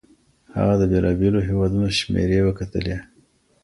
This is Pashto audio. هغه د بېلابېلو هيوادونو شمېرې وکتلې.